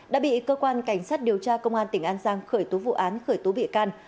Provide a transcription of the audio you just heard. đã bị cơ quan cảnh sát điều tra công an tỉnh an giang khởi tố vụ án khởi tố bị can